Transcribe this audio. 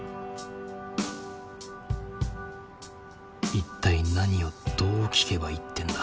一体何をどう聞けばいいってんだ。